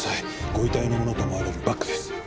ご遺体のものと思われるバッグです。